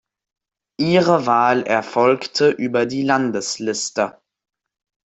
Ihre Wahl erfolgte über die Landesliste.